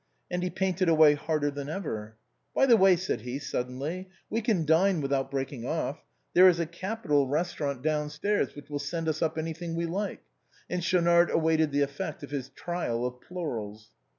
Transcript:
And he painted away harder than ever. " By the way," said he, suddenly, " we can dine without breaking off. There is a. capital restaurant down stairs, which will send us up any thing we like." And Schaunard awaited the effect of his trial of plurals.